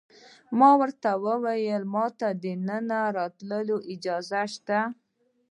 ما ورته وویل: ما ته د دننه راتلو اجازه شته؟